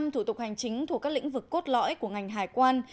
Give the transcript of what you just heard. bảy mươi thủ tục hành chính thuộc các lĩnh vực cốt lõi của ngành hải quan